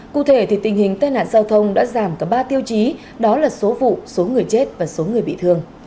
cụ thể tình hình tai nạn giao thông đã giảm cả ba tiêu chí đó là số vụ số người chết và số người bị thương